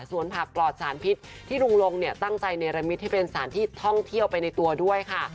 ส่วนผักปลอดสารพิษที่ลุงลงเนี่ยตั้งใจเนรมิตให้เป็นสารที่ท่องเที่ยวไปในตัวด้วยค่ะ